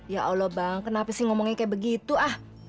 ya allah bang kenapa sih ngomongnya kayak begitu ah